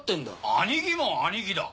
兄貴も兄貴だ！